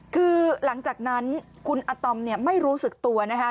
คือหลังจากนั้นคุณอาตอมเนี่ยไม่รู้สึกตัวนะคะ